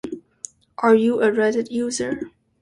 Are you a reddit user?